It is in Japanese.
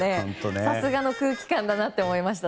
さすがの空気感だなって思いました。